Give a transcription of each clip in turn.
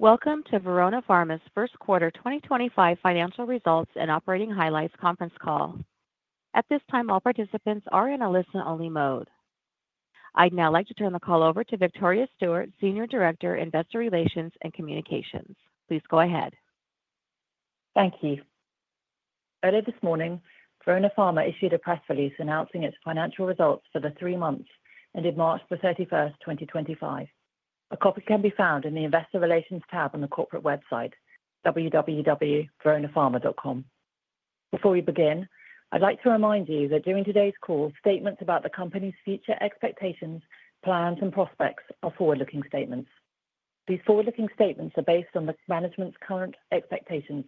Welcome to Verona Pharma's Q1 2025 Financial Results and Operating Highlights Conference Call. At this time, all participants are in a listen-only mode. I'd now like to turn the call over to Victoria Stewart, Senior Director, Investor Relations and Communications. Please go ahead. Thank you. Earlier this morning, Verona Pharma issued a press release announcing its financial results for the three months ending 31 March 2025. A copy can be found in the Investor Relations tab on the corporate website, www.veronapharma.com. Before we begin, I'd like to remind you that during today's call, statements about the company's future expectations, plans, and prospects are forward-looking statements. These forward-looking statements are based on management's current expectations.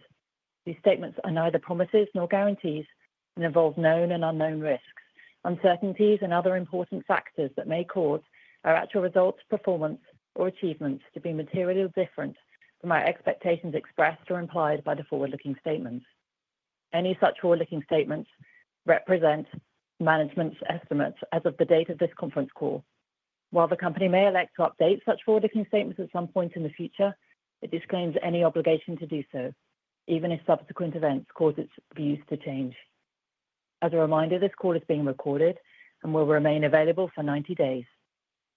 These statements are neither promises nor guarantees and involve known and unknown risks, uncertainties, and other important factors that may cause our actual results, performance, or achievements to be materially different from our expectations expressed or implied by the forward-looking statements. Any such forward-looking statements represent management's estimates as of the date of this conference call. While the company may elect to update such forward-looking statements at some point in the future, it disclaims any obligation to do so, even if subsequent events cause its views to change. As a reminder, this call is being recorded and will remain available for 90 days.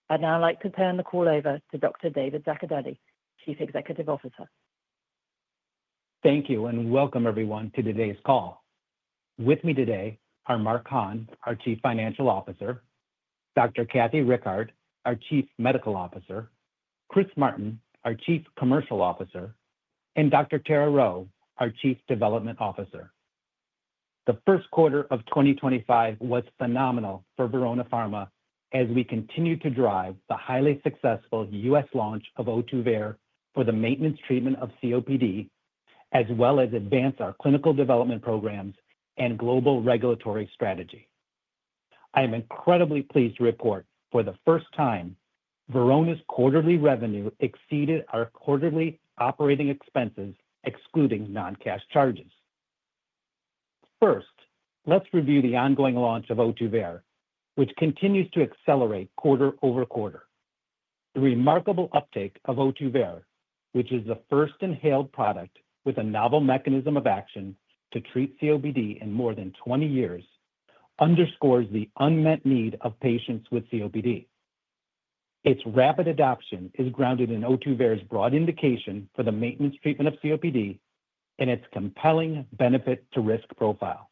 I'd now like to turn the call over to Dr. David Zaccardelli, Chief Executive Officer. Thank you and welcome everyone to today's call. With me today are Mark Hahn, our Chief Financial Officer; Dr. Kathy Rickard, our Chief Medical Officer; Chris Martin, our Chief Commercial Officer; and Dr. Tara Rheault, our Chief Development Officer. The Q1 of 2025 was phenomenal for Verona Pharma as we continued to drive the highly successful US launch of Ohtuvayre for the maintenance treatment of COPD, as well as advance our clinical development programs and global regulatory strategy. I am incredibly pleased to report, for the first time, Verona's quarterly revenue exceeded our quarterly operating expenses, excluding non-cash charges. First, let's review the ongoing launch of Ohtuvayre, which continues to accelerate quarter-over-quarter. The remarkable uptake of Ohtuvayre, which is the first inhaled product with a novel mechanism of action to treat COPD in more than 20 years, underscores the unmet need of patients with COPD. Its rapid adoption is grounded in Ohtuvayre's broad indication for the maintenance treatment of COPD and its compelling benefit-to-risk profile.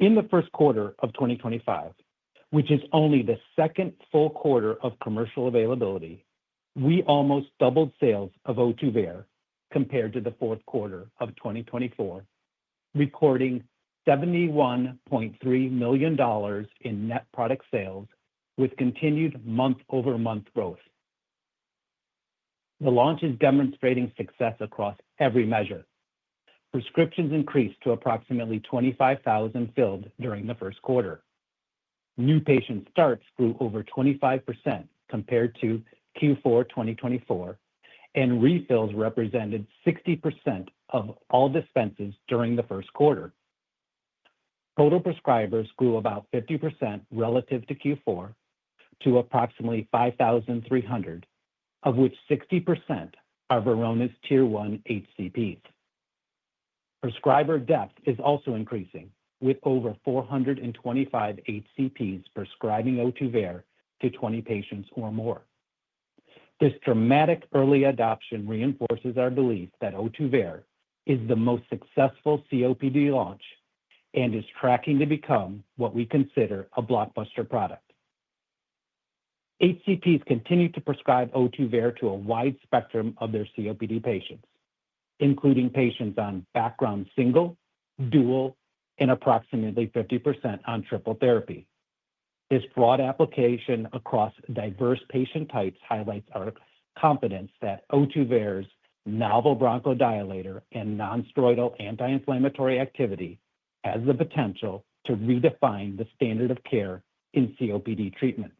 In the Q1 of 2025, which is only the second full quarter of commercial availability, we almost doubled sales of Ohtuvayre compared to the Q4 of 2024, recording $71.3 million in net product sales with continued month-over-month growth. The launch is demonstrating success across every measure. Prescriptions increased to approximately 25,000 filled during the Q1. New patient starts grew over 25% compared to Q4 2024, and refills represented 60% of all dispenses during the Q1. Total prescribers grew about 50% relative to Q4 to approximately 5,300, of which 60% are Verona's Tier 1 HCPs. Prescriber depth is also increasing, with over 425 HCPs prescribing Ohtuvayre to 20 patients or more. This dramatic early adoption reinforces our belief that Ohtuvayre is the most successful COPD launch and is tracking to become what we consider a blockbuster product. HCPs continue to prescribe Ohtuvayre to a wide spectrum of their COPD patients, including patients on background single, dual, and approximately 50% on triple therapy. This broad application across diverse patient types highlights our confidence that Ohtuvayre's novel bronchodilator and non-steroidal anti-inflammatory activity has the potential to redefine the standard of care in COPD treatment.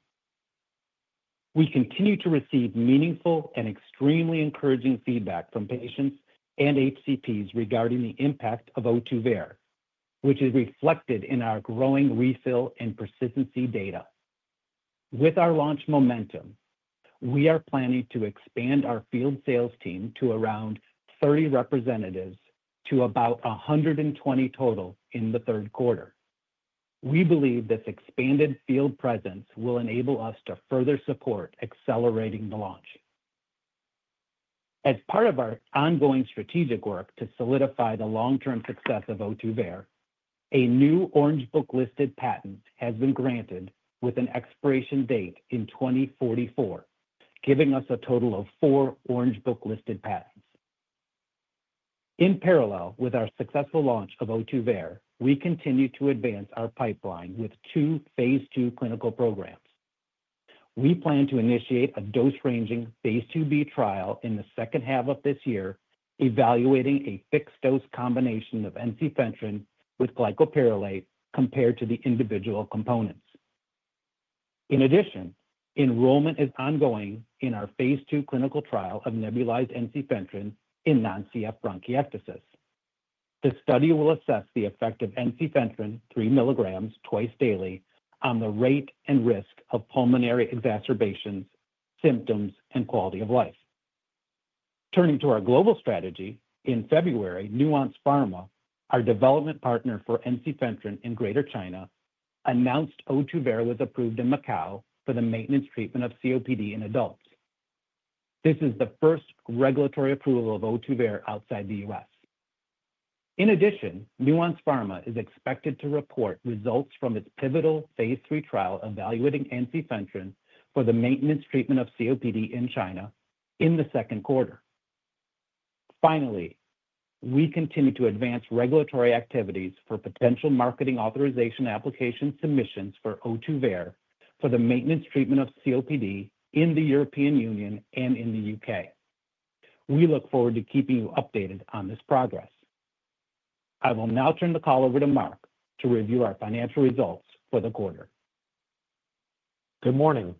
We continue to receive meaningful and extremely encouraging feedback from patients and HCPs regarding the impact of Ohtuvayre, which is reflected in our growing refill and persistency data. With our launch momentum, we are planning to expand our field sales team to around 30 representatives to about 120 total in the Q3. We believe this expanded field presence will enable us to further support accelerating the launch. As part of our ongoing strategic work to solidify the long-term success of Ohtuvayre, a new Orange Book listed patent has been granted with an expiration date in 2044, giving us a total of four Orange Book listed patents. In parallel with our successful launch of Ohtuvayre, we continue to advance our pipeline with two phase II clinical programs. We plan to initiate a dose-ranging phase IIb trial in the second half of this year, evaluating a fixed-dose combination of ensifentrine with glycopyrrolate compared to the individual components. In addition, enrollment is ongoing in our phase II clinical trial of nebulized ensifentrine in non-CF bronchiectasis. The study will assess the effect of ensifentrine 3mg twice daily on the rate and risk of pulmonary exacerbations, symptoms, and quality of life. Turning to our global strategy, in February, Nuance Pharma, our development partner for ensifentrine in Greater China, announced Ohtuvayre was approved in Macau for the maintenance treatment of COPD in adults. This is the first regulatory approval of Ohtuvayre outside the US In addition, Nuance Pharma is expected to report results from its pivotal phase III trial evaluating ensifentrine for the maintenance treatment of COPD in China in the Q2. Finally, we continue to advance regulatory activities for potential marketing authorization application submissions for Ohtuvayre for the maintenance treatment of COPD in the European Union and in the UK. We look forward to keeping you updated on this progress. I will now turn the call over to Mark to review our financial results for the quarter. Good morning.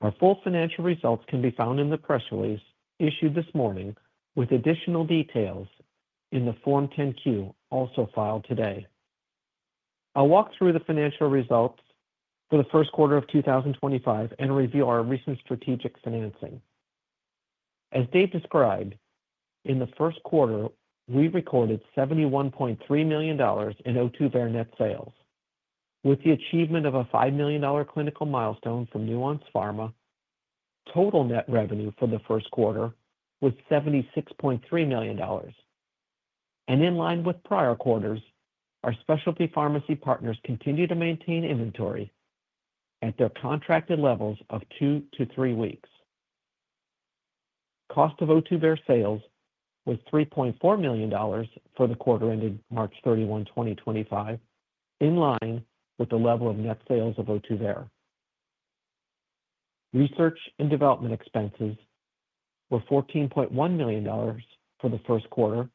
Our full financial results can be found in the press release issued this morning, with additional details in the Form 10Q also filed today. I'll walk through the financial results for the Q1 of 2025 and review our recent strategic financing. As Dave described, in the Q1, we recorded $71.3 million in Ohtuvayre net sales, with the achievement of a $5 million clinical milestone from Nuance Pharma. Total net revenue for the Q1 was $76.3 million. In line with prior quarters, our specialty pharmacy partners continue to maintain inventory at their contracted levels of two to three weeks. Cost of Ohtuvayre sales was $3.4 million for the quarter ending 31 March 2025, in line with the level of net sales of Ohtuvayre. Research and development expenses were $14.1 million for the Q1,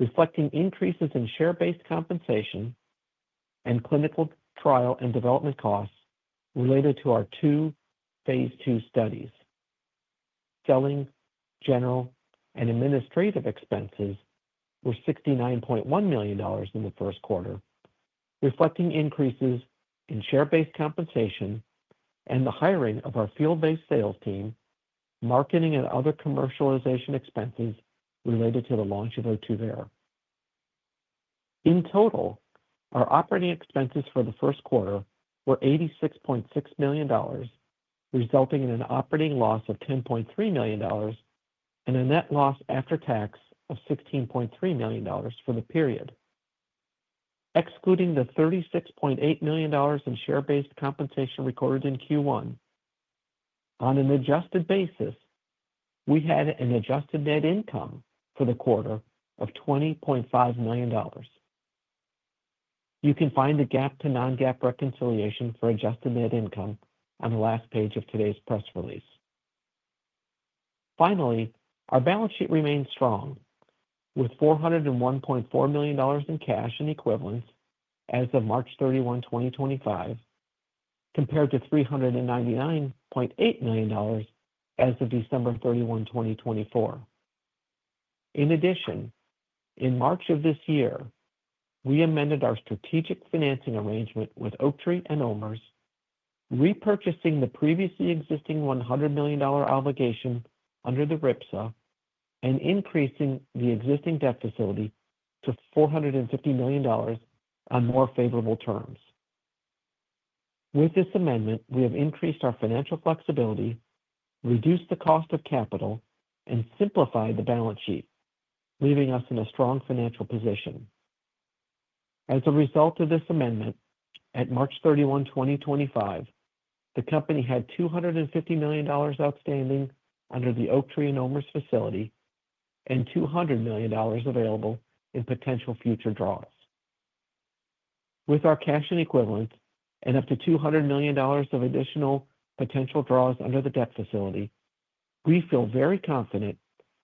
reflecting increases in share-based compensation and clinical trial and development costs related to our two phase II studies. Selling, general, and administrative expenses were $69.1 million in the Q1, reflecting increases in share-based compensation and the hiring of our field-based sales team, marketing, and other commercialization expenses related to the launch of Ohtuvayre. In total, our operating expenses for the Q1 were $86.6 million, resulting in an operating loss of $10.3 million and a net loss after tax of $16.3 million for the period. Excluding the $36.8 million in share-based compensation recorded in Q1, on an adjusted basis, we had an adjusted net income for the quarter of $20.5 million. You can find the GAAP to non-GAAP reconciliation for adjusted net income on the last page of today's press release. Finally, our balance sheet remained strong, with $401.4 million in cash and equivalents as of 31 March 2025, compared to $399.8 million as of 31 December 2024. In addition, in March of this year, we amended our strategic financing arrangement with Oaktree and OMERS, repurchasing the previously existing $100 million obligation under the RIPSA and increasing the existing debt facility to $450 million on more favorable terms. With this amendment, we have increased our financial flexibility, reduced the cost of capital, and simplified the balance sheet, leaving us in a strong financial position. As a result of this amendment, at 31 March 2025, the company had $250 million outstanding under the Oaktree and OMERS facility and $200 million available in potential future draws. With our cash and equivalents and up to $200 million of additional potential draws under the debt facility, we feel very confident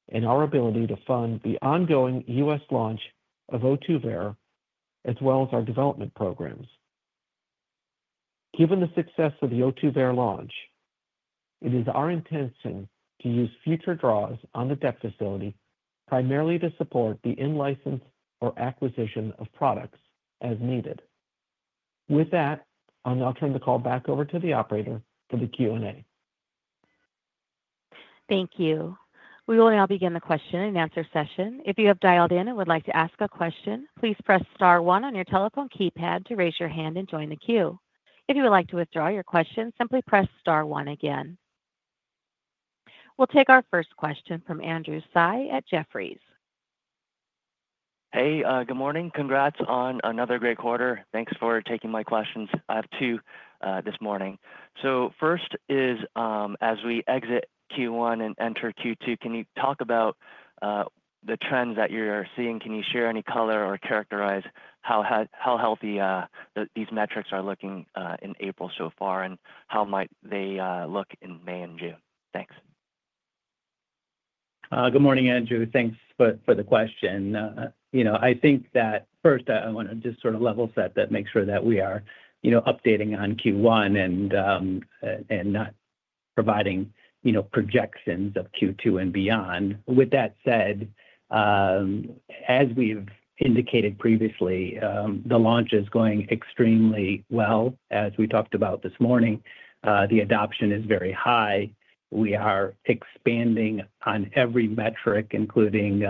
in our ability to fund the ongoing US launch of Ohtuvayre, as well as our development programs. Given the success of the Ohtuvayre launch, it is our intention to use future draws on the debt facility primarily to support the in-license or acquisition of products as needed. With that, I'll now turn the call back over to the operator for the Q&A. Thank you. We will now begin the question and answer session. If you have dialed in and would like to ask a question, please press star one on your telephone keypad to raise your hand and join the queue. If you would like to withdraw your question, simply press star one again. We'll take our first question from Andrew Tsai at Jefferies. Hey, good morning. Congrats on another great quarter. Thanks for taking my questions too this morning. First is, as we exit Q1 and enter Q2, can you talk about the trends that you're seeing? Can you share any color or characterize how healthy these metrics are looking in April so far, and how might they look in May and June? Thanks. Good morning, Andrew. Thanks for the question. You know, I think that first, I want to just sort of level set that, make sure that we are updating on Q1 and not providing projections of Q2 and beyond. With that said, as we've indicated previously, the launch is going extremely well. As we talked about this morning, the adoption is very high. We are expanding on every metric, including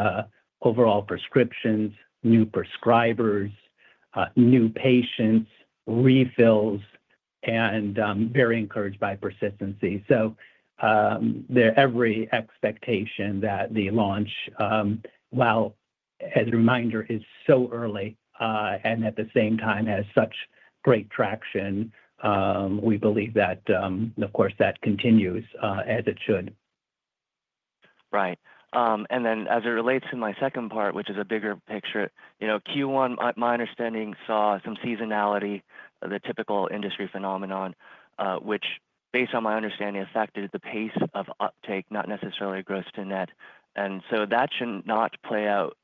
overall prescriptions, new prescribers, new patients, refills, and very encouraged by persistency. There is every expectation that the launch, while as a reminder, is so early and at the same time has such great traction, we believe that, of course, that continues as it should. Right. As it relates to my second part, which is a bigger picture, you know, Q1, my understanding, saw some seasonality, the typical industry phenomenon, which, based on my understanding, affected the pace of uptake, not necessarily gross to net. That should not play out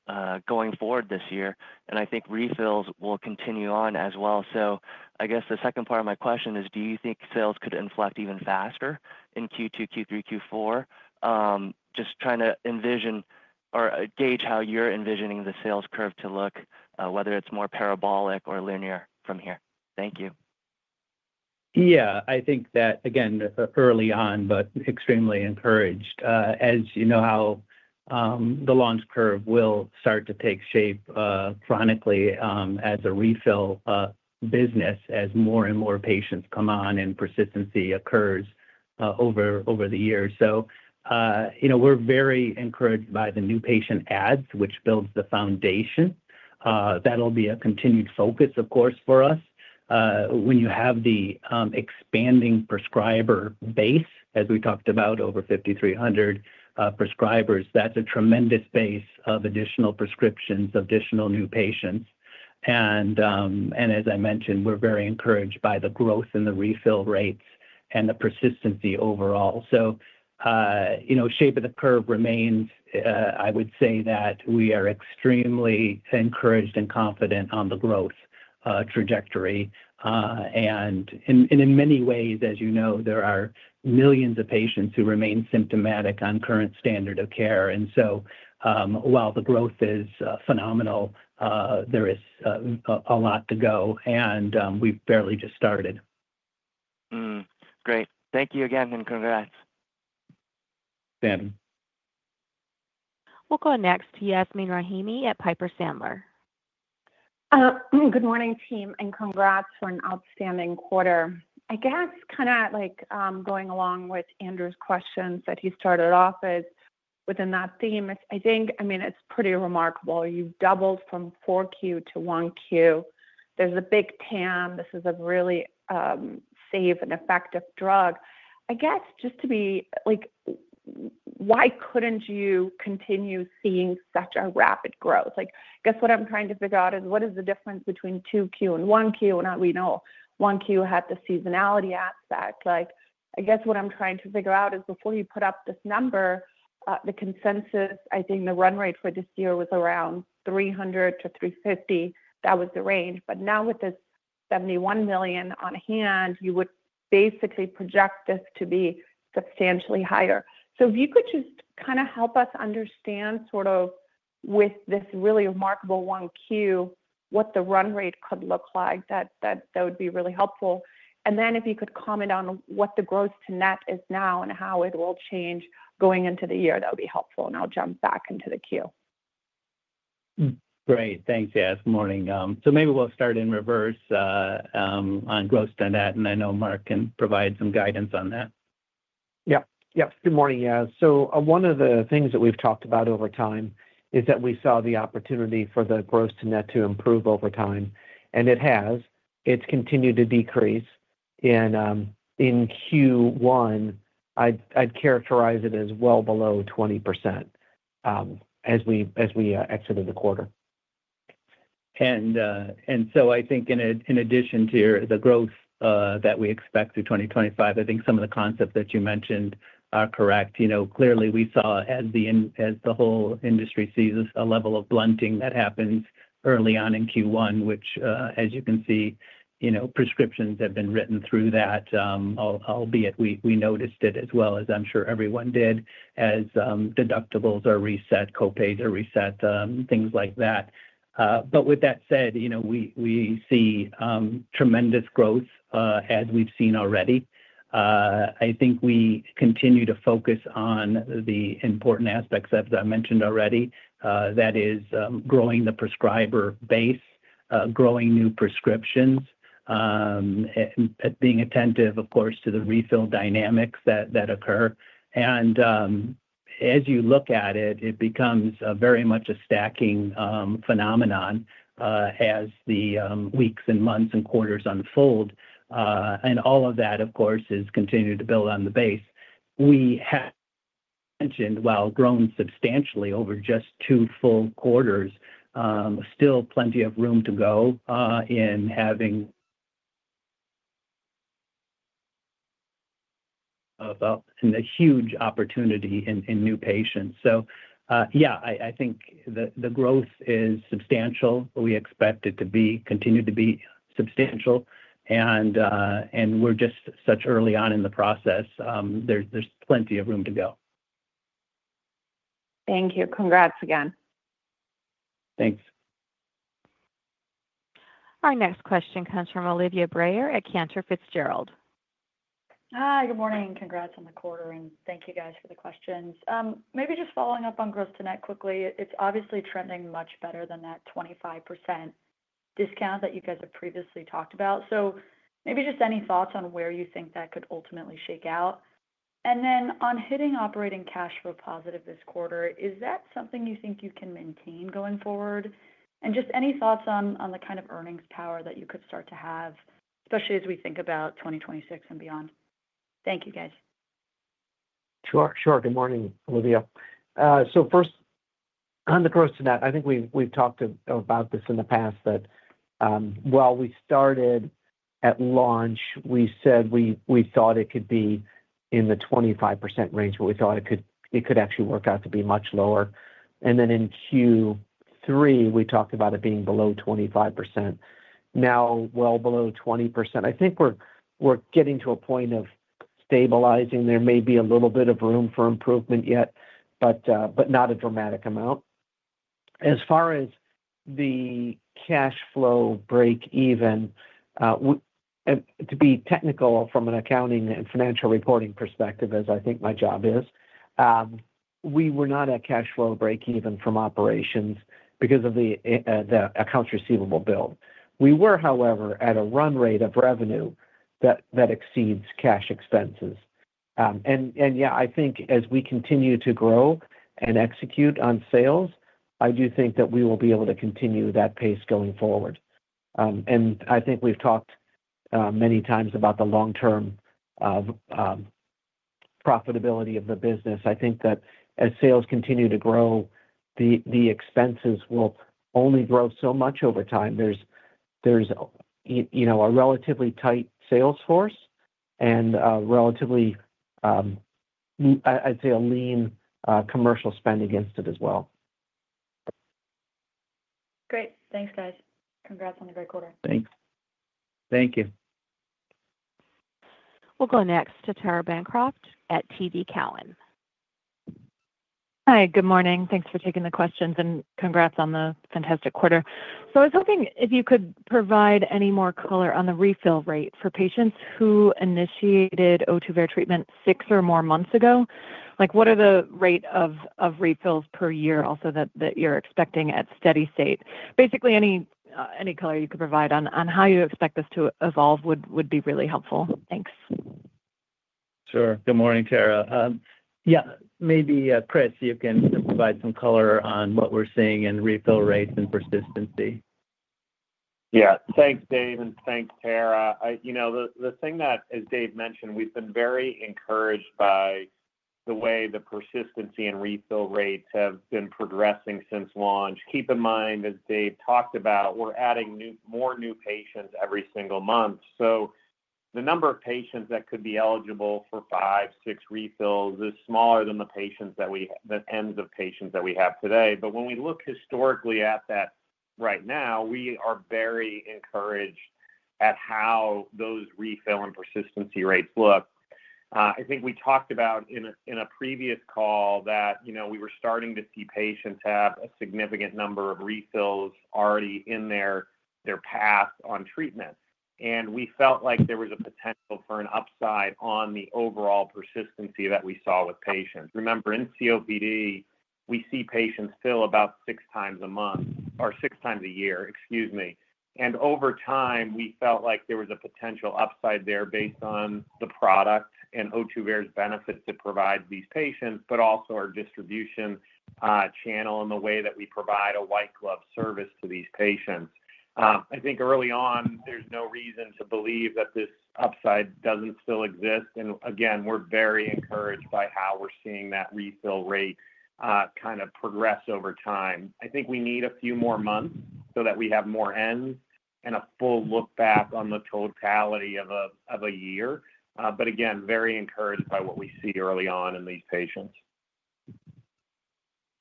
going forward this year. I think refills will continue on as well. I guess the second part of my question is, do you think sales could inflect even faster in Q2, Q3, Q4? Just trying to envision or gauge how you're envisioning the sales curve to look, whether it's more parabolic or linear from here. Thank you. Yeah, I think that, again, early on, but extremely encouraged. As you know how the launch curve will start to take shape chronically as a refill business, as more and more patients come on and persistency occurs over the years. You know, we're very encouraged by the new patient adds, which builds the foundation. That'll be a continued focus, of course, for us. When you have the expanding prescriber base, as we talked about, over 5,300 prescribers, that's a tremendous base of additional prescriptions, of additional new patients. As I mentioned, we're very encouraged by the growth in the refill rates and the persistency overall. You know, shape of the curve remains. I would say that we are extremely encouraged and confident on the growth trajectory. In many ways, as you know, there are millions of patients who remain symptomatic on current standard of care. While the growth is phenomenal, there is a lot to go, and we've barely just started. Great. Thank you again and congrats. [Sam.] We'll go next to Yasmeen Rahimi at Piper Sandler. Good morning, team, and congrats for an outstanding quarter. I guess kind of like going along with Andrew's questions that he started off within that theme, I think, I mean, it's pretty remarkable. You doubled from Q4 to Q1. There's a big TAM. This is a really safe and effective drug. I guess just to be like, why couldn't you continue seeing such a rapid growth? Like, I guess what I'm trying to figure out is what is the difference between Q2 and Q1? We know Q1 had the seasonality aspect. Like, I guess what I'm trying to figure out is before you put up this number, the consensus, I think the run rate for this year was around $300 to 350 million. That was the range. But now with this $71 million on hand, you would basically project this to be substantially higher. If you could just kind of help us understand sort of with this really remarkable Q1, what the run rate could look like, that would be really helpful. And if you could comment on what the gross to net is now and how it will change going into the year, that would be helpful, and I'll jump back into the queue. Great. Thanks, Yas. Good morning. Maybe we'll start in reverse on gross to net, and I know Mark can provide some guidance on that. Yep. Yep. Good morning, Yas. One of the things that we've talked about over time is that we saw the opportunity for the gross to net to improve over time, and it has. It's continued to decrease. In Q1, I'd characterize it as well below 20% as we exited the quarter. I think in addition to the growth that we expect through 2025, I think some of the concepts that you mentioned are correct. You know, clearly we saw, as the whole industry sees, a level of blunting that happens early on in Q1, which, as you can see, you know, prescriptions have been written through that, albeit we noticed it as well as I'm sure everyone did, as deductibles are reset, copays are reset, things like that. With that said, you know, we see tremendous growth as we've seen already. I think we continue to focus on the important aspects, as I mentioned already, that is growing the prescriber base, growing new prescriptions, being attentive, of course, to the refill dynamics that occur. As you look at it, it becomes very much a stacking phenomenon as the weeks and months and quarters unfold. All of that, of course, is continuing to build on the base. We have mentioned, while grown substantially over just two full quarters, still plenty of room to go in having a huge opportunity in new patients. Yeah, I think the growth is substantial. We expect it to continue to be substantial, and we're just such early on in the process. There's plenty of room to go. Thank you. Congrats again. Thanks. Our next question comes from Olivia Brayer at Cantor Fitzgerald. Hi, good morning. Congrats on the quarter, and thank you guys for the questions. Maybe just following up on gross to net quickly, it's obviously trending much better than that 25% discount that you guys have previously talked about. Maybe just any thoughts on where you think that could ultimately shake out. On hitting operating cash flow positive this quarter, is that something you think you can maintain going forward? Any thoughts on the kind of earnings power that you could start to have, especially as we think about 2026 and beyond? Thank you, guys. Sure. Good morning, Olivia. First, on the gross to net, I think we've talked about this in the past, that while we started at launch, we said we thought it could be in the 25% range, but we thought it could actually work out to be much lower. In Q3, we talked about it being below 25%. Now, well below 20%. I think we're getting to a point of stabilizing. There may be a little bit of room for improvement yet, but not a dramatic amount. As far as the cash flow break-even, to be technical from an accounting and financial reporting perspective, as I think my job is, we were not at cash flow break-even from operations because of the accounts receivable bill. We were, however, at a run rate of revenue that exceeds cash expenses. Yeah, I think as we continue to grow and execute on sales, I do think that we will be able to continue that pace going forward. I think we've talked many times about the long-term profitability of the business. I think that as sales continue to grow, the expenses will only grow so much over time. There's a relatively tight sales force and relatively, I'd say, a lean commercial spend against it as well. Great. Thanks, guys. Congrats on the great quarter. Thanks. Thank you. We'll go next to Tara Bancroft at TD Cowen. Hi, good morning. Thanks for taking the questions and congrats on the fantastic quarter. I was hoping if you could provide any more color on the refill rate for patients who initiated Ohtuvayre treatment six or more months ago. Like, what are the rate of refills per year also that you're expecting at steady state? Basically, any color you could provide on how you expect this to evolve would be really helpful. Thanks. Sure. Good morning, Tara. Yeah, maybe Chris, you can provide some color on what we're seeing in refill rates and persistency. Yeah. Thanks, Dave, and thanks, Tara. You know, the thing that, as Dave mentioned, we've been very encouraged by the way the persistency and refill rates have been progressing since launch. Keep in mind, as Dave talked about, we're adding more new patients every single month. The number of patients that could be eligible for five, six refills is smaller than the ends of patients that we have today. When we look historically at that right now, we are very encouraged at how those refill and persistency rates look. I think we talked about in a previous call that, you know, we were starting to see patients have a significant number of refills already in their path on treatment. We felt like there was a potential for an upside on the overall persistency that we saw with patients. Remember, in COPD, we see patients fill about six times a year, excuse me. Over time, we felt like there was a potential upside there based on the product and Ohtuvayre's benefits to provide these patients, but also our distribution channel and the way that we provide a white glove service to these patients. I think early on, there is no reason to believe that this upside does not still exist. Again, we are very encouraged by how we are seeing that refill rate kind of progress over time. I think we need a few more months so that we have more ends and a full look back on the totality of a year. Again, very encouraged by what we see early on in these patients.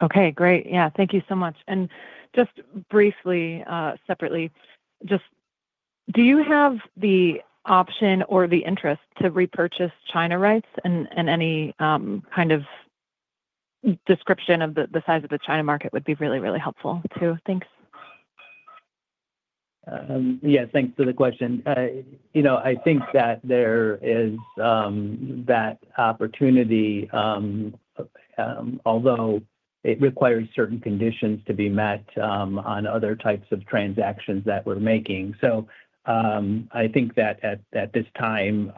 Okay. Great. Yeah. Thank you so much. Just briefly, separately, do you have the option or the interest to repurchase China rights? Any kind of description of the size of the China market would be really, really helpful too. Thanks. Yeah. Thanks for the question. You know, I think that there is that opportunity, although it requires certain conditions to be met on other types of transactions that we're making. I think that at this time,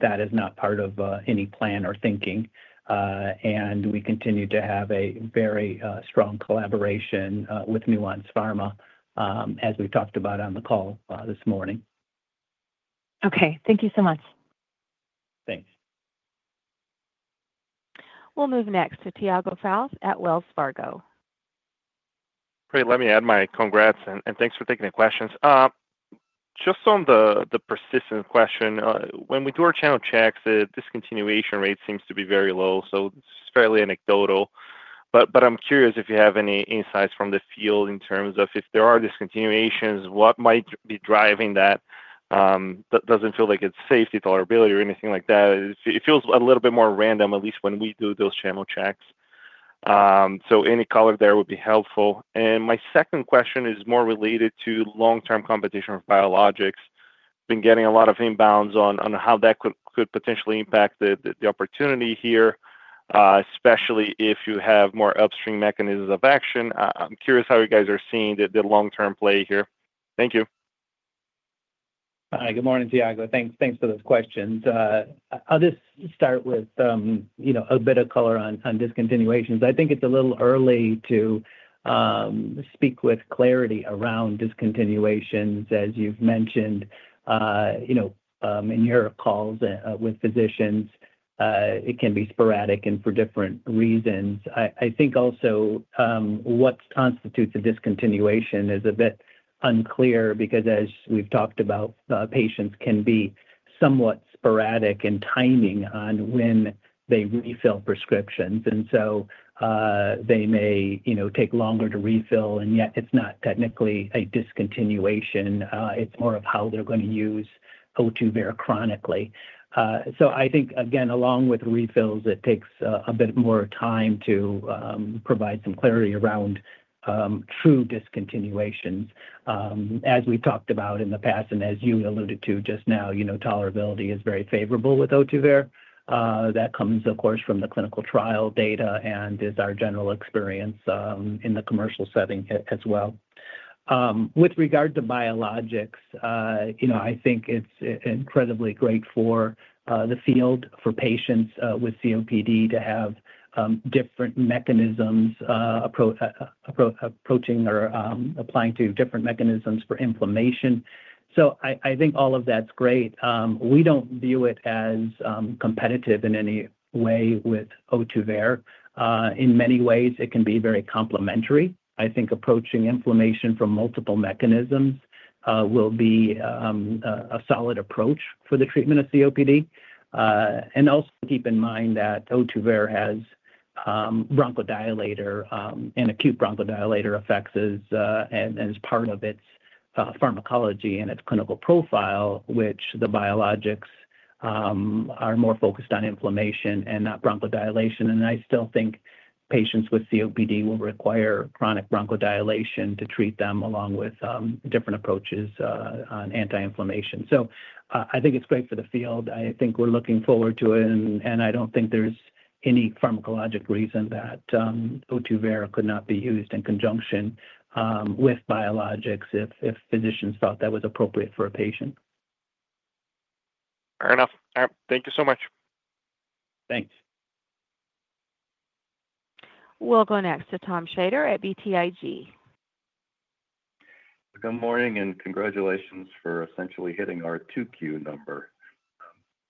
that is not part of any plan or thinking. We continue to have a very strong collaboration with Nuance Pharma, as we talked about on the call this morning. Okay. Thank you so much. Thanks. We'll move next to Tiago Fauth at Wells Fargo. Great. Let me add my congrats and thanks for taking the questions. Just on the persistent question, when we do our channel checks, the discontinuation rate seems to be very low. It is fairly anecdotal. I am curious if you have any insights from the field in terms of if there are discontinuations, what might be driving that? It does not feel like it is safety, tolerability, or anything like that. It feels a little bit more random, at least when we do those channel checks. Any color there would be helpful. My second question is more related to long-term competition with biologics. Been getting a lot of inbounds on how that could potentially impact the opportunity here, especially if you have more upstream mechanisms of action. I am curious how you guys are seeing the long-term play here. Thank you. Hi. Good morning, Tiago. Thanks for those questions. I'll just start with, you know, a bit of color on discontinuations. I think it's a little early to speak with clarity around discontinuations, as you've mentioned, you know, in your calls with physicians. It can be sporadic and for different reasons. I think also what constitutes a discontinuation is a bit unclear because, as we've talked about, patients can be somewhat sporadic in timing on when they refill prescriptions. They may, you know, take longer to refill, and yet it's not technically a discontinuation. It's more of how they're going to use Ohtuvayre chronically. I think, again, along with refills, it takes a bit more time to provide some clarity around true discontinuations. As we've talked about in the past, and as you alluded to just now, you know, tolerability is very favorable with Ohtuvayre. That comes, of course, from the clinical trial data and is our general experience in the commercial setting as well. With regard to biologics, you know, I think it's incredibly great for the field, for patients with COPD, to have different mechanisms approaching or applying to different mechanisms for inflammation. I think all of that's great. We don't view it as competitive in any way with Ohtuvayre. In many ways, it can be very complementary. I think approaching inflammation from multiple mechanisms will be a solid approach for the treatment of COPD. Also keep in mind that Ohtuvayre has bronchodilator and acute bronchodilator effects as part of its pharmacology and its clinical profile, which the biologics are more focused on inflammation and not bronchodilation. I still think patients with COPD will require chronic bronchodilation to treat them along with different approaches on anti-inflammation. I think it's great for the field. I think we're looking forward to it, and I don't think there's any pharmacologic reason that Ohtuvayre could not be used in conjunction with biologics if physicians felt that was appropriate for a patient. Fair enough. All right. Thank you so much. Thanks. We'll go next to Tom Shrader at BTIG. Good morning and congratulations for essentially hitting our Q2 number.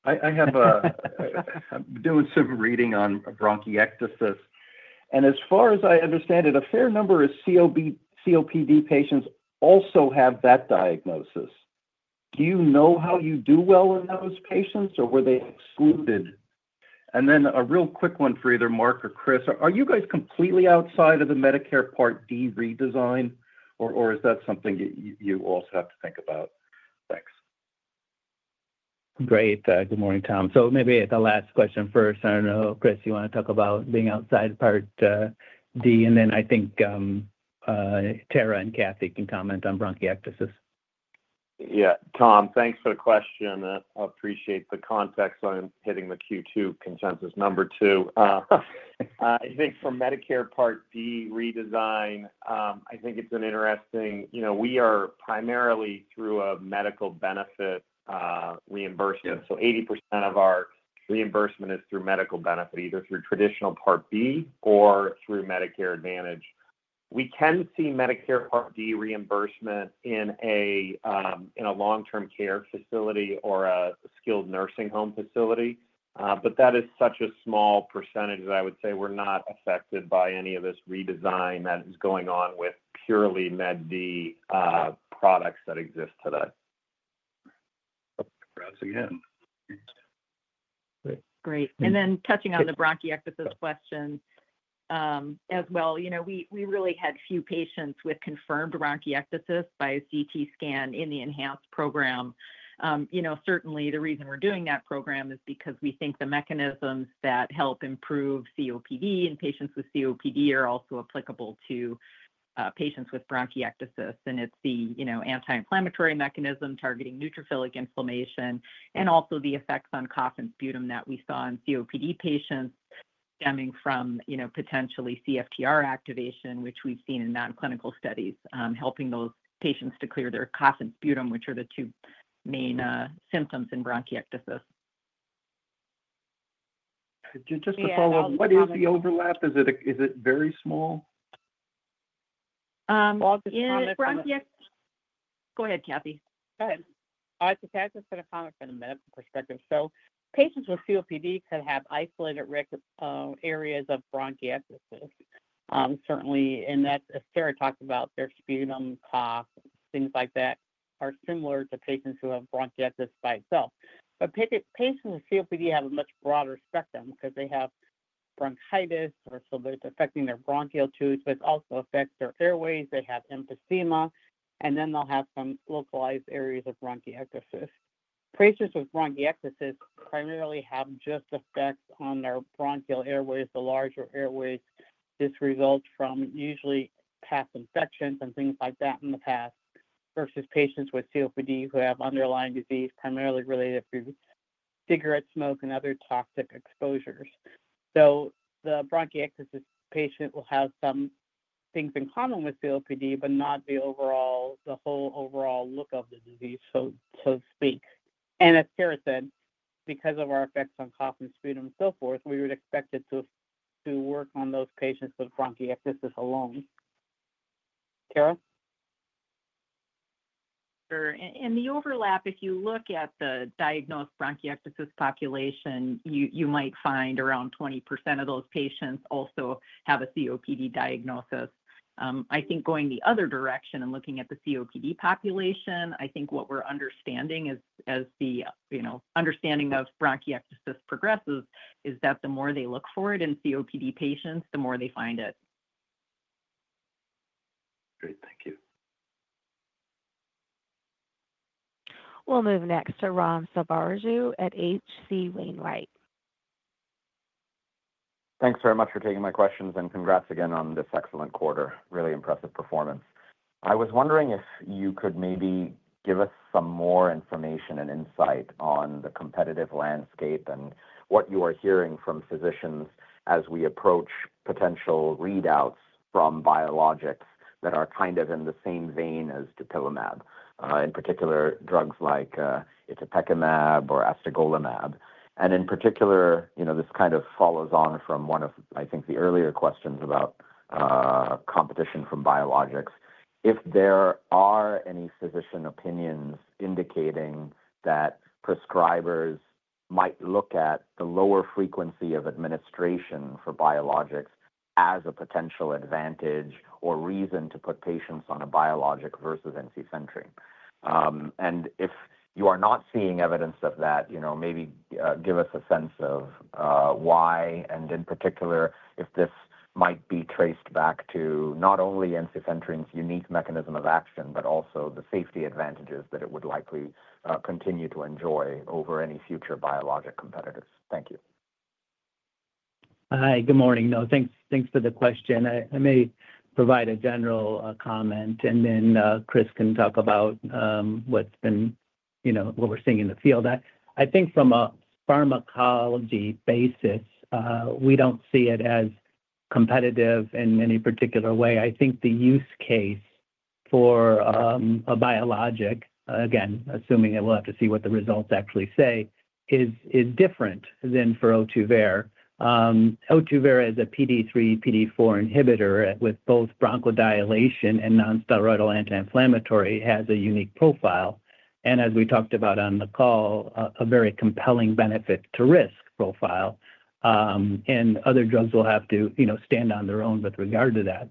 I have been doing some reading on bronchiectasis. As far as I understand it, a fair number of COPD patients also have that diagnosis. Do you know how you do well in those patients, or were they excluded? A real quick one for either Mark or Chris. Are you guys completely outside of the Medicare Part D redesign, or is that something you also have to think about? Thanks. Great. Good morning, Tom. Maybe the last question first. I don't know, Chris, you want to talk about being outside Part D? I think Tara and Kathy can comment on bronchiectasis. Yeah. Tom, thanks for the question. I appreciate the context on hitting the Q2 consensus number too. I think for Medicare Part D redesign, I think it's interesting, you know, we are primarily through a medical benefit reimbursement. So 80% of our reimbursement is through medical benefit, either through traditional Part B or through Medicare Advantage. We can see Medicare Part D reimbursement in a long-term care facility or a skilled nursing home facility, but that is such a small percentage that I would say we're not affected by any of this redesign that is going on with purely Med D products that exist today. Congrats again. Great. Then touching on the bronchiectasis question as well, you know, we really had few patients with confirmed bronchiectasis by CT scan in the enhanced program. You know, certainly the reason we're doing that program is because we think the mechanisms that help improve COPD in patients with COPD are also applicable to patients with bronchiectasis. It's the, you know, anti-inflammatory mechanism targeting neutrophilic inflammation and also the effects on cough and sputum that we saw in COPD patients stemming from, you know, potentially CFTR activation, which we've seen in nonclinical studies, helping those patients to clear their cough and sputum, which are the two main symptoms in bronchiectasis. Just to follow up, what is the overlap? Is it very small? Go ahead, Kathy. Go ahead. I was just going to comment from the medical perspective. Patients with COPD could have isolated areas of bronchiectasis. Certainly, and that's as Tara talked about, their sputum, cough, things like that are similar to patients who have bronchiectasis by itself. Patients with COPD have a much broader spectrum because they have bronchitis, so it's affecting their bronchial tubes, but it also affects their airways. They have emphysema, and then they'll have some localized areas of bronchiectasis. Patients with bronchiectasis primarily have just effects on their bronchial airways, the larger airways. This results from usually past infections and things like that in the past versus patients with COPD who have underlying disease primarily related to cigarette smoke and other toxic exposures. The bronchiectasis patient will have some things in common with COPD, but not the overall, the whole overall look of the disease, so to speak. As Tara said, because of our effects on cough and sputum and so forth, we would expect it to work on those patients with bronchiectasis alone. Tara? Sure. In the overlap, if you look at the diagnosed bronchiectasis population, you might find around 20% of those patients also have a COPD diagnosis. I think going the other direction and looking at the COPD population, I think what we're understanding is, as the, you know, understanding of bronchiectasis progresses, is that the more they look for it in COPD patients, the more they find it. Great. Thank you. We'll move next to Ram Selvaraju at H.C Wainwright. Thanks very much for taking my questions and congrats again on this excellent quarter. Really impressive performance. I was wondering if you could maybe give us some more information and insight on the competitive landscape and what you are hearing from physicians as we approach potential readouts from biologics that are kind of in the same vein as dupilumab, in particular drugs like itapecumab or astegolimab. In particular, you know, this kind of follows on from one of, I think, the earlier questions about competition from biologics. If there are any physician opinions indicating that prescribers might look at the lower frequency of administration for biologics as a potential advantage or reason to put patients on a biologic versus ensifentrine. If you are not seeing evidence of that, you know, maybe give us a sense of why, and in particular, if this might be traced back to not only ensifentrine's unique mechanism of action, but also the safety advantages that it would likely continue to enjoy over any future biologic competitors. Thank you. Hi. Good morning. No, thanks for the question. I may provide a general comment, and then Chris can talk about what's been, you know, what we're seeing in the field. I think from a pharmacology basis, we don't see it as competitive in any particular way. I think the use case for a biologic, again, assuming that we'll have to see what the results actually say, is different than for Ohtuvayre. Ohtuvayre is a PDE3, PDE4 inhibitor with both bronchodilation and nonsteroidal anti-inflammatory, has a unique profile. As we talked about on the call, a very compelling benefit-to-risk profile. Other drugs will have to, you know, stand on their own with regard to that.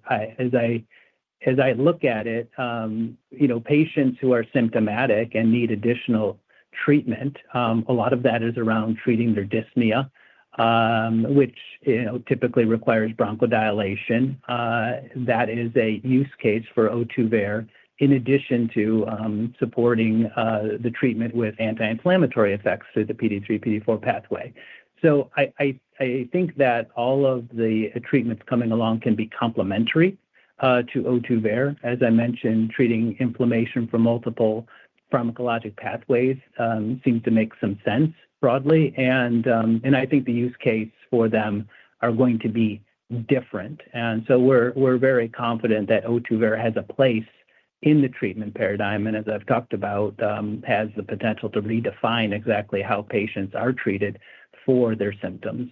As I look at it, you know, patients who are symptomatic and need additional treatment, a lot of that is around treating their dyspnea, which, you know, typically requires bronchodilation. That is a use case for Ohtuvayre in addition to supporting the treatment with anti-inflammatory effects through the PDE3, PDE4 pathway. I think that all of the treatments coming along can be complementary to Ohtuvayre. As I mentioned, treating inflammation from multiple pharmacologic pathways seems to make some sense broadly. I think the use case for them are going to be different. We are very confident that Ohtuvayre has a place in the treatment paradigm, and as I've talked about, has the potential to redefine exactly how patients are treated for their symptoms.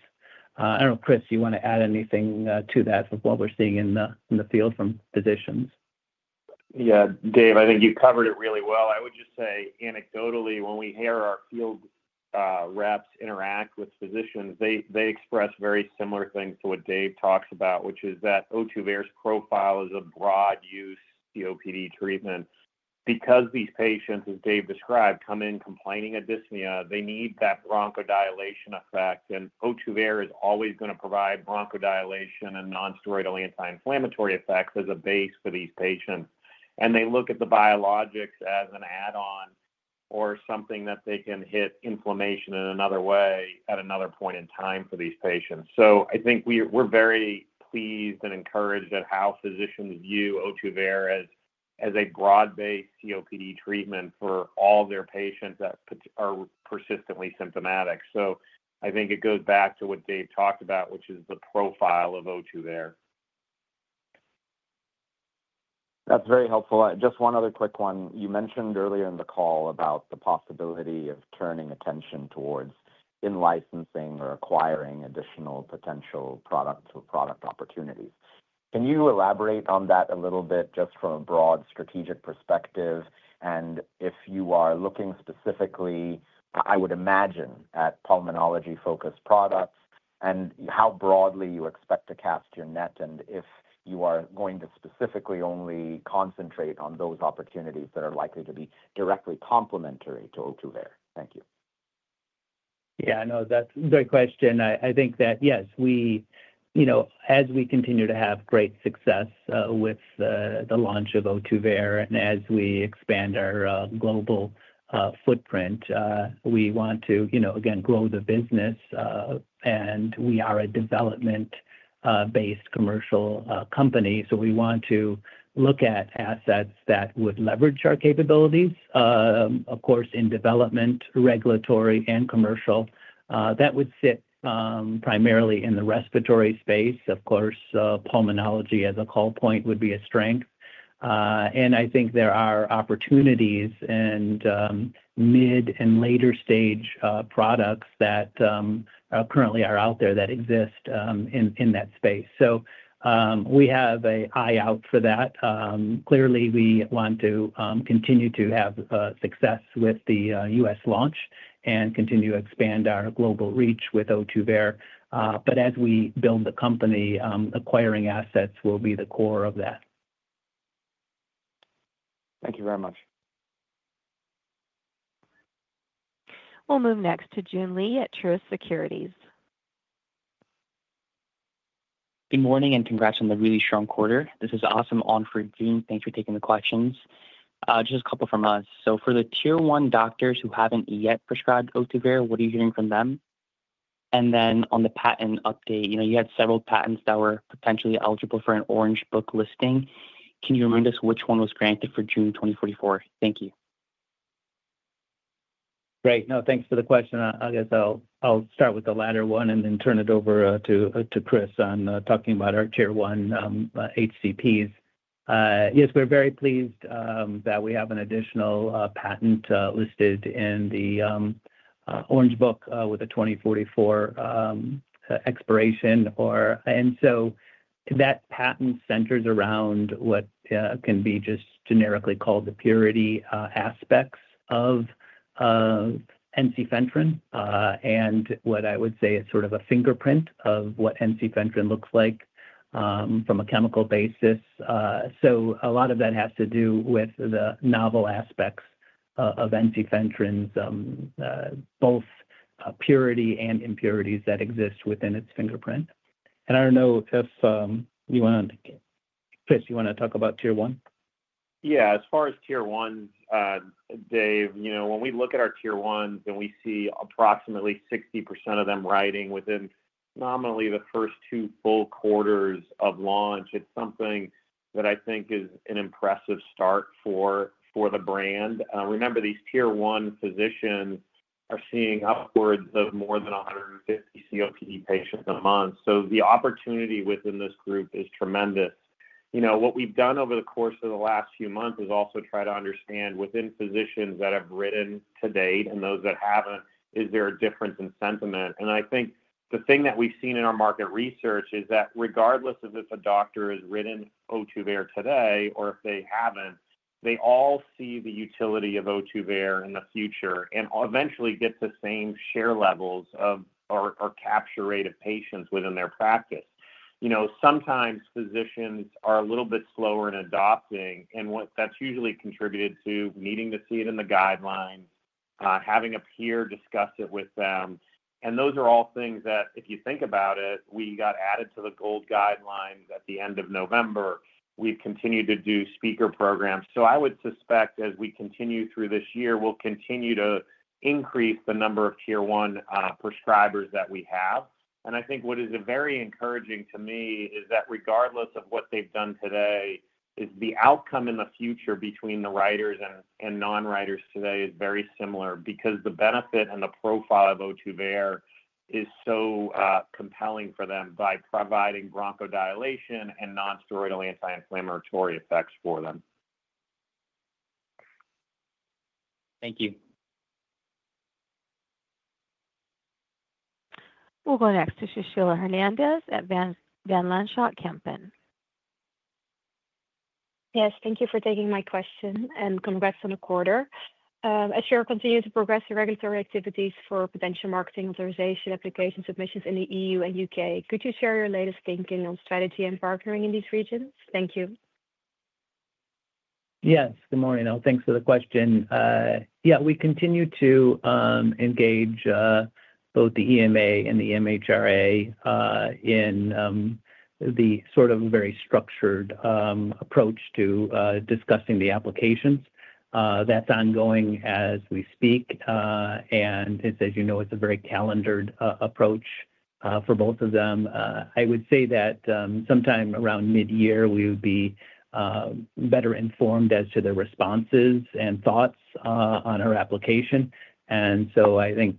I don't know, Chris, you want to add anything to that with what we're seeing in the field from physicians? Yeah, Dave, I think you covered it really well. I would just say anecdotally, when we hear our field reps interact with physicians, they express very similar things to what Dave talks about, which is that Ohtuvayre's profile is a broad-use COPD treatment. Because these patients, as Dave described, come in complaining of dyspnea, they need that bronchodilation effect. Ohtuvayre is always going to provide bronchodilation and nonsteroidal anti-inflammatory effects as a base for these patients. They look at the biologics as an add-on or something that they can hit inflammation in another way at another point in time for these patients. I think we're very pleased and encouraged at how physicians view Ohtuvayre as a broad-based COPD treatment for all their patients that are persistently symptomatic. I think it goes back to what Dave talked about, which is the profile of Ohtuvayre. That's very helpful. Just one other quick one. You mentioned earlier in the call about the possibility of turning attention towards in-licensing or acquiring additional potential products or product opportunities. Can you elaborate on that a little bit just from a broad strategic perspective? If you are looking specifically, I would imagine, at pulmonology-focused products and how broadly you expect to cast your net and if you are going to specifically only concentrate on those opportunities that are likely to be directly complementary to Ohtuvayre. Thank you. Yeah, no, that's a great question. I think that, yes, we, you know, as we continue to have great success with the launch of Ohtuvayre and as we expand our global footprint, we want to, you know, again, grow the business. We are a development-based commercial company. We want to look at assets that would leverage our capabilities, of course, in development, regulatory, and commercial. That would sit primarily in the respiratory space. Of course, pulmonology as a call point would be a strength. I think there are opportunities and mid and later-stage products that currently are out there that exist in that space. We have an eye out for that. Clearly, we want to continue to have success with the US launch and continue to expand our global reach with Ohtuvayre. As we build the company, acquiring assets will be the core of that. Thank you very much. We'll move next to Joon Lee at Truist Securities. Good morning and congrats on the really strong quarter. This is awesome. On for June, thanks for taking the questions. Just a couple from us. For the Tier 1 doctors who haven't yet prescribed Ohtuvayre, what are you hearing from them? And then on the patent update, you know, you had several patents that were potentially eligible for an Orange Book listing. Can you remind us which one was granted for June 2024? Thank you. Great. No, thanks for the question. I guess I'll start with the latter one and then turn it over to Chris on talking about Tier 1 HCPs. Yes, we're very pleased that we have an additional patent listed in the Orange Book with a 2044 expiration. That patent centers around what can be just generically called the purity aspects of ensifentrine. What I would say is sort of a fingerprint of what ensifentrine looks like from a chemical basis. A lot of that has to do with the novel aspects of ensifentrine's both purity and impurities that exist within its fingerprint. I don't know, you want to, Chris, you want to talk about Tier 1? Yeah, as far Tier 1, Dave, you know, when we look at Tier 1 and we see approximately 60% of them riding within nominally the first two full quarters of launch, it's something that I think is an impressive start for the brand. Remember, Tier 1 physicians are seeing upwards of more than 150 COPD patients in a month. The opportunity within this group is tremendous. You know, what we've done over the course of the last few months is also try to understand within physicians that have written to date and those that haven't, is there a difference in sentiment? I think the thing that we've seen in our market research is that regardless of if a doctor has written Ohtuvayre today or if they haven't, they all see the utility of Ohtuvayre in the future and eventually get the same share levels of or capture rate of patients within their practice. You know, sometimes physicians are a little bit slower in adopting, and that's usually contributed to needing to see it in the guideline, having a peer discuss it with them. Those are all things that, if you think about it, we got added to the GOLD guidelines at the end of November. We've continued to do speaker programs. I would suspect as we continue through this year, we'll continue to increase the number Tier 1 prescribers that we have. I think what is very encouraging to me is that regardless of what they've done today, the outcome in the future between the writers and non-writers today is very similar because the benefit and the profile of Ohtuvayre is so compelling for them by providing bronchodilation and nonsteroidal anti-inflammatory effects for them. Thank you. We'll go next to Sushila Hernandez at Van Lanschot Kempen. Yes, thank you for taking my question and congrats on the quarter. As you continue to progress your regulatory activities for potential marketing authorization application submissions in the EU and UK, could you share your latest thinking on strategy and partnering in these regions? Thank you. Yes, good morning. Thanks for the question. Yeah, we continue to engage both the EMA and the MHRA in the sort of very structured approach to discussing the applications. That is ongoing as we speak. As you know, it is a very calendared approach for both of them. I would say that sometime around mid-year, we would be better informed as to the responses and thoughts on our application. I think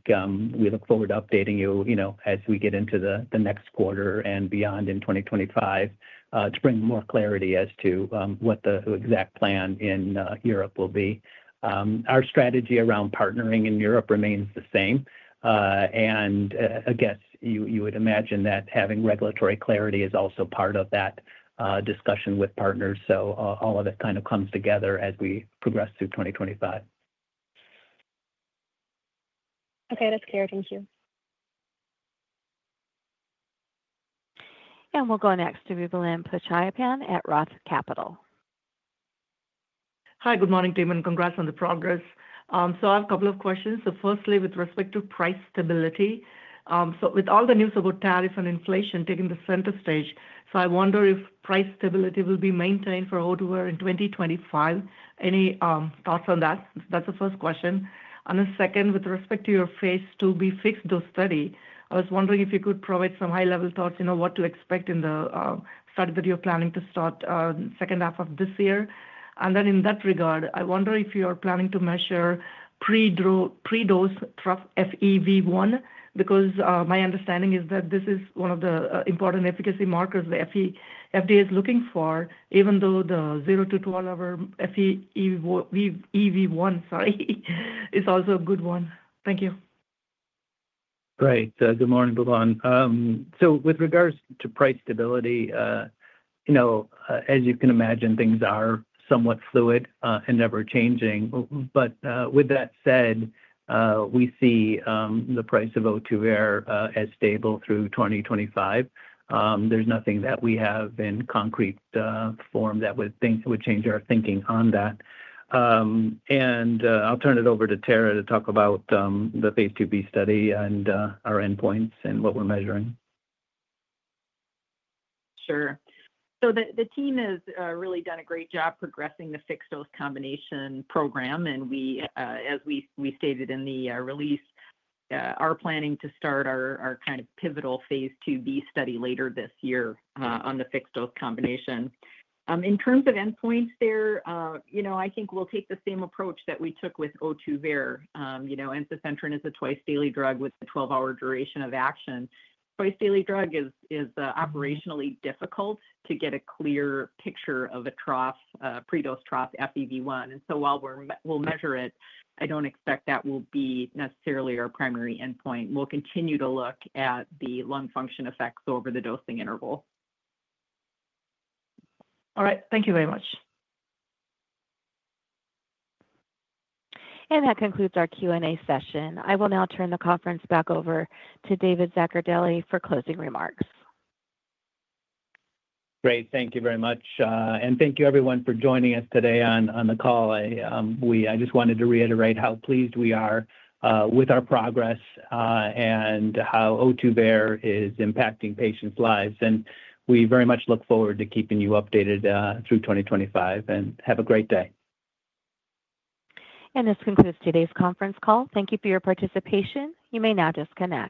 we look forward to updating you, you know, as we get into the next quarter and beyond in 2025 to bring more clarity as to what the exact plan in Europe will be. Our strategy around partnering in Europe remains the same. I guess you would imagine that having regulatory clarity is also part of that discussion with partners. All of it kind of comes together as we progress through 2025. Okay, that's clear. Thank you. We will go next to Boobalan Pachaiyappan at Roth Capital. Hi, good morning, David. Congrats on the progress. I have a couple of questions. Firstly, with respect to price stability, with all the news about tariffs and inflation taking the center stage, I wonder if price stability will be maintained for Ohtuvayre in 2025. Any thoughts on that? That is the first question. The second, with respect to your phase IIb fixed-dose study, I was wondering if you could provide some high-level thoughts, you know, what to expect in the study that you are planning to start H2 of this year. In that regard, I wonder if you are planning to measure predose FEV1 because my understanding is that this is one of the important efficacy markers the FDA is looking for, even though the 0 to 12 hour FEV1 is also a good one. Thank you. Great. Good morning, Boobalan. With regards to price stability, you know, as you can imagine, things are somewhat fluid and ever-changing. With that said, we see the price of Ohtuvayre as stable through 2025. There's nothing that we have in concrete form that would change our thinking on that. I'll turn it over to Tara to talk about the phase IIb study and our endpoints and what we're measuring. Sure. The team has really done a great job progressing the fixed dose combination program. We, as we stated in the release, are planning to start our kind of pivotal phase IIb study later this year on the fixed dose combination. In terms of endpoints there, you know, I think we'll take the same approach that we took with Ohtuvayre. You know, ensifentrine is a twice-daily drug with a 12-hour duration of action. Twice-daily drug is operationally difficult to get a clear picture of a predose trough FEV1. While we'll measure it, I don't expect that will be necessarily our primary endpoint. We'll continue to look at the lung function effects over the dosing interval. All right. Thank you very much. That concludes our Q&A session. I will now turn the conference back over to David Zaccardelli for closing remarks. Great. Thank you very much. Thank you, everyone, for joining us today on the call. I just wanted to reiterate how pleased we are with our progress and how Ohtuvayre is impacting patients' lives. We very much look forward to keeping you updated through 2025. Have a great day. This concludes today's conference call. Thank you for your participation. You may now disconnect.